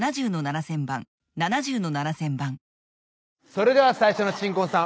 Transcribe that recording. それでは最初の新婚さん